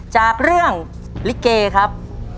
จากเรื่องลิเกครับ